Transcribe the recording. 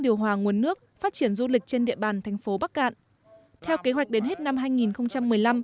điều hòa nguồn nước phát triển du lịch trên địa bàn thành phố bắc cạn theo kế hoạch đến hết năm